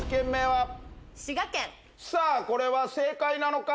さあこれは正解なのか？